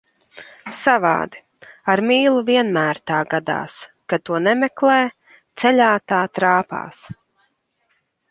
Savādi, ar mīlu vienmēr tā gadās, kad to nemeklē, ceļā tā trāpās.